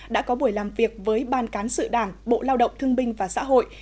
đã có buổi làm việc với ban cán sự đảng bộ lao động thương binh và xã hội